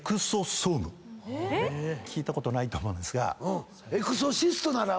聞いたことないと思うんですが。